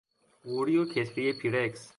قوری و کتری پیرکس